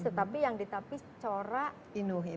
tetapi yang ditapis corak inuh